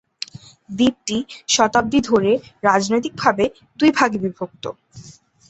দ্বীপটি শতাব্দী ধরে রাজনৈতিকভাবে দুই ভাগে বিভক্ত।